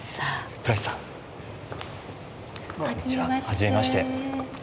はじめまして。